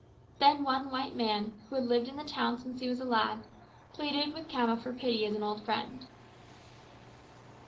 Then one white man, who had lived in the town since he was a lad, pleaded with Khama for pity as an old friend.